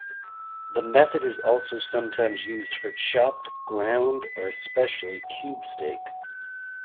The method is also sometimes used for chopped, ground, or especially cube steak.